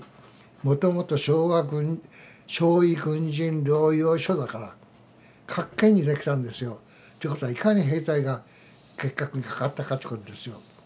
もともと傷痍軍人療養所だから各県に出来たんですよ。ということはいかに兵隊が結核にかかったかっちゅうことですよ。